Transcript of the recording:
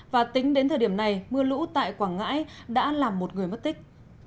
và tính đến thời điểm này mưa lũ tại quảng ngãi đã làm một người mất tích